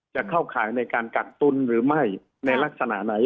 จะเข้าข่ายในการกักตุ้นหรือไม่ในลักษณะไหน